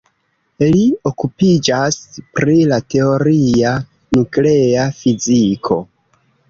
Li okupiĝas pri la teoria nuklea fiziko.